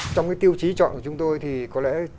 trong cái tiêu chí chọn của chúng tôi thì có lẽ